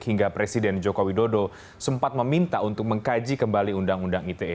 hingga presiden joko widodo sempat meminta untuk mengkaji kembali undang undang ite